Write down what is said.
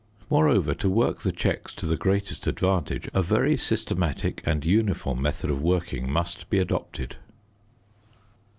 Moreover, to work the checks to the greatest advantage, a very systematic and uniform method of working must be adopted.